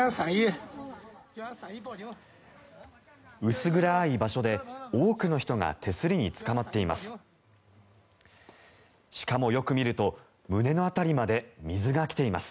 薄暗い場所で多くの人が手すりにつかまっています。